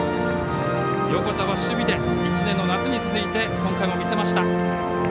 横田は守備で１年の夏に続いて今回も見せました。